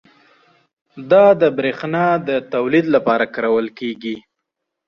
دا د بریښنا د تولید لپاره کارول کېږي.